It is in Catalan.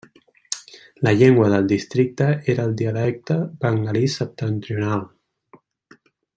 La llengua del districte era el dialecte bengalí septentrional.